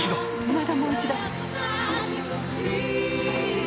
またもう一度！